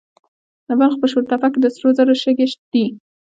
د بلخ په شورتپه کې د سرو زرو شګې دي.